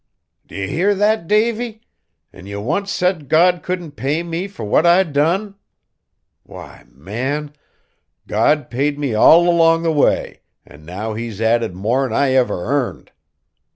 "Do ye hear that, Davy? An' ye once said God couldn't pay me fur what I done! Why, man, God paid me all along the way, an' now He's added more'n I ever earned!"